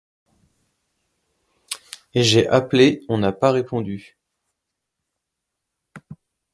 J’ai appelé, on n’a pas répondu.